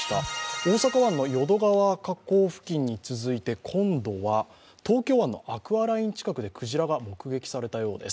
大阪湾の淀川河口付近に続いて今度は東京湾のアクアラインの近くで鯨が目撃されたようです。